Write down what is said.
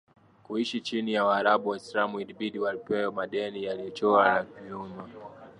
kuishi chini ya Waarabu Waislamu Ilibidi walipe madeni yaliyoachwa nyuma